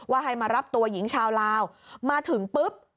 ให้มารับตัวหญิงชาวลาวมาถึงปุ๊บ